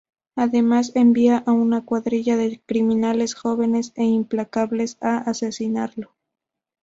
Además envía a una cuadrilla de criminales jóvenes e implacables a asesinarlo.